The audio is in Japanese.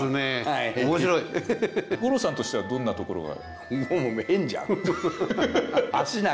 五郎さんとしてはどんなところが？